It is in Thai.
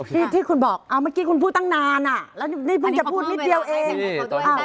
ที่ที่คุณบอกเมื่อกี้คุณพูดตั้งนานอ่ะแล้วนี่เพิ่งจะพูดนิดเดียวเอง